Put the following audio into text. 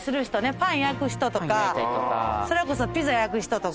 パン焼く人とかそれこそピザ焼く人とか。